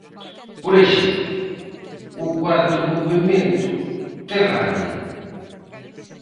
Por exemplo, o cuarto movemento, Terránea.